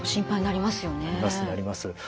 なりますなります。